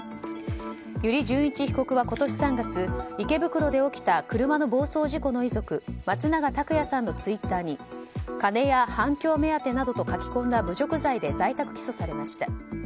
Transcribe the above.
油利潤一被告は今年３月池袋で起きた車の暴走事故の遺族松永拓也さんのツイッターに金や反響目当てなどと書き込んだ侮辱罪で在宅起訴されました。